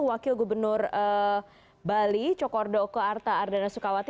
wakil gubernur bali cokordo kearta ardana sukawati